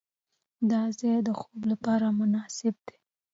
دا ځای د خوب لپاره مناسب دی.